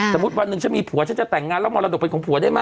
สมมติวันนึงฉันมีผัวฉันจะแต่งงานรอบบรรดน์ของผู้ได้ไหม